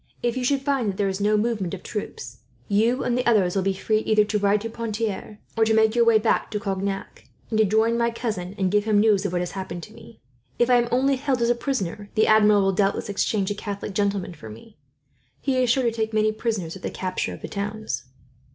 If you should find that there is no movement of troops, you and the others will be free either to ride to Pontier, or to make your way back to Cognac; and to join my cousin and give him news of what has happened to me. If I am only held as a prisoner, the Admiral will doubtless exchange a Catholic gentleman for me. He is sure to take many prisoners at the capture of the towns."